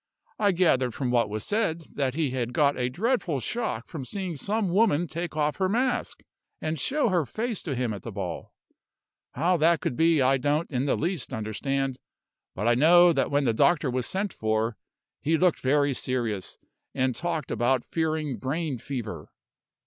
I gathered from what was said that he had got a dreadful shock from seeing some woman take off her mask, and show her face to him at the ball. How that could be I don't in the least understand; but I know that when the doctor was sent for, he looked very serious, and talked about fearing brain fever."